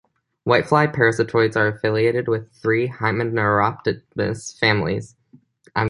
Whitefly parasitoids are affiliated with three hymenopterous families.